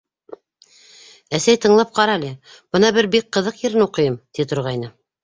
Әсәй, тыңлап ҡара әле, бына бер бик ҡыҙыҡ ерен уҡыйым, — ти торғайны.